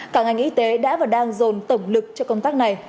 cả ngành y tế đã và đang dồn tổng lực cho công tác này